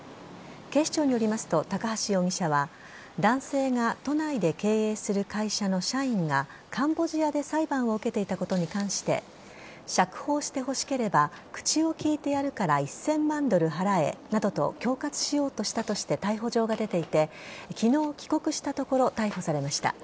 警視庁によりますと高橋容疑者は男性が都内で経営する会社の社員がカンボジアで裁判を受けていたことに関して釈放してほしければ口を利いてやるから１０００万ドル払えなどと恐喝しようとしたとして逮捕状が出ていて昨日、帰国したところ逮捕されました。